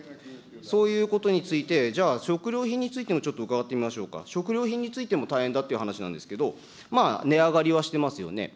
そういうことについて、じゃあ、食料品についてもちょっと伺っておきましょうか、食料品についても大変だっていう話なんですけど、まあ値上がりはしてますよね。